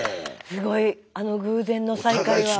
すごいあの偶然の再会は。